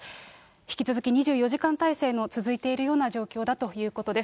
引き続き２４時間態勢の続いているような状況だということです。